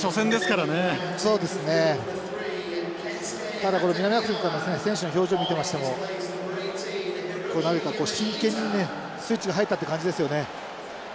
ただ南アフリカの選手の表情見てましても何か真剣にねスイッチが入ったっていう感じですよね。